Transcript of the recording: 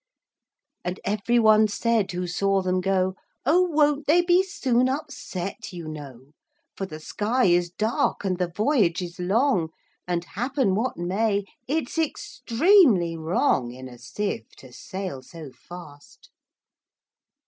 And every one said who saw them go,"Oh! won't they be soon upset, you know:For the sky is dark, and the voyage is long; And, happen what may, it 's extremely wrongIn a sieve to sail so fast."